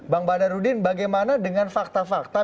bang badarudin bagaimana dengan fakta fakta